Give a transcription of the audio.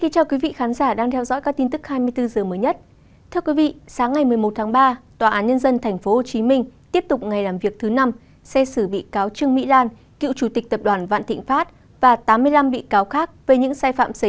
các bạn hãy đăng ký kênh để ủng hộ kênh của chúng mình nhé